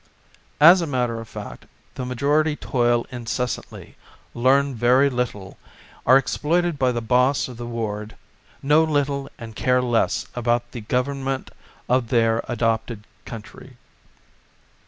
As a matter of fact, the majority toil incessantly, learn very little, are exploited by the boss of the ward, know little and care less about 45 â– â– â– '" Anti Suffrage the government of their adopted coun try.